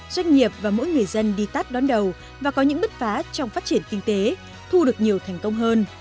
doanh nghiệp và mỗi người dân đi tắt đón đầu và có những bứt phá trong phát triển kinh tế thu được nhiều thành công hơn